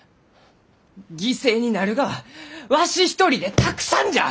犠牲になるがはわし一人でたくさんじゃ！